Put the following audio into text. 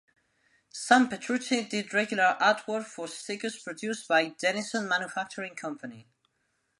Sam Petrucci did regular artwork for stickers produced by Dennison Manufacturing Company.